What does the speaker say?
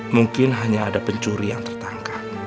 mungkin hanya ada pencuri yang tertangkap